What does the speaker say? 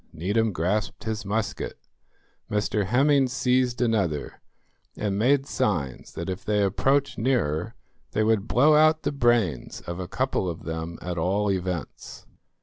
Needham grasped his musket, Mr Hemming seized another, and made signs that if they approached nearer they would blow out the brains of a couple of them at all events.